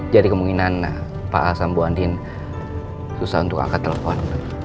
jadi kemungkinan pak al sama bu andin susah untuk angkat telepon